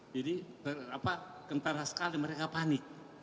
jadi kentara sekali mereka panik